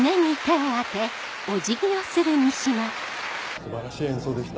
素晴らしい演奏でした。